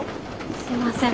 すいません。